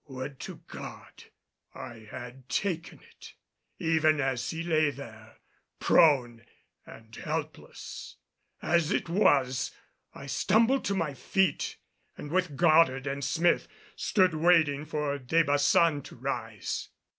Would to God I had taken it, even as he lay there prone and helpless. As it was I stumbled to my feet and with Goddard and Smith, stood waiting for De Baçan to rise.